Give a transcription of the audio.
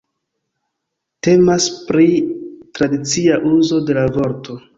Temas pri tradicia uzo de la vorto.